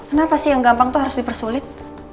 kenapa sih yang gampang itu harus dipersulit